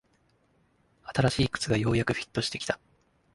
新しい靴がようやくフィットしてきた